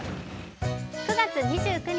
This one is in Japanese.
９月２９日